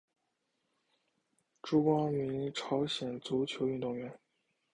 朱光民朝鲜足球运动员。